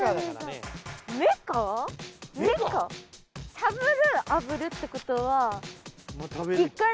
しゃぶるあぶるってことは。